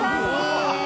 うわ！